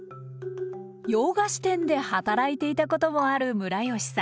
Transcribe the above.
洋菓子店で働いていたこともあるムラヨシさん。